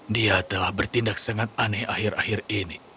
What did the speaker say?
dia telah bertindak sangat aneh akhir akhir ini